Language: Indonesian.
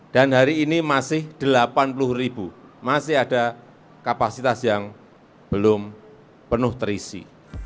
dan hari ini masih delapan puluh ribu masih ada kapasitas yang belum penuh terisi